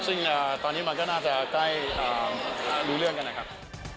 ซึ่งตอนนี้มันก็น่าจะใกล้รู้เรื่องกันนะครับ